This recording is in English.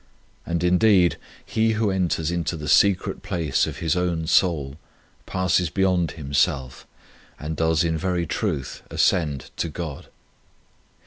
And, indeed, he who enters into the secret place of his own soul passes beyond himself, and does in very truth ascend to God.